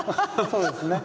そうですね。